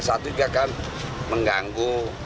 saat itu juga kan mengganggu